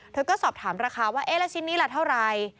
เธอก็สอบถามราคาว่าเอ๊ะแล้วชิ้นนี้ละเท่าไร